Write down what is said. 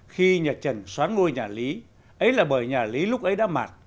khi nhà trần xoán ngôi nhà lý ấy là bởi nhà lý lúc ấy đã mạt